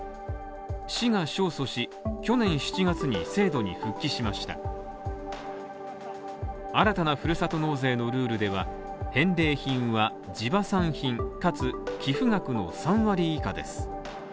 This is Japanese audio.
市が勝訴し、去年７月に制度に復帰しました新たなふるさと納税のルールでは返礼品は地場産品かつ寄付額の３割以下です。